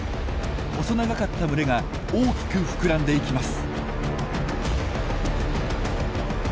細長かった群れが大きく膨らんでいきます。